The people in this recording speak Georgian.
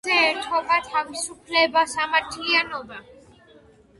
დევიზი გერბზე: „ერთობა, თავისუფლება, სამართლიანობა“.